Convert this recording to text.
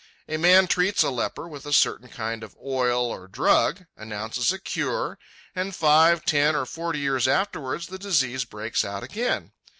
A man treats a leper with a certain kind of oil or drug, announces a cure, and five, ten, or forty years afterwards the disease breaks out again.